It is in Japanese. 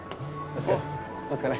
お疲れ。